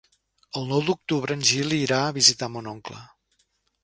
El nou d'octubre en Gil irà a visitar mon oncle.